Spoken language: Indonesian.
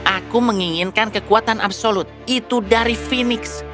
aku menginginkan kekuatan absolut itu dari feenix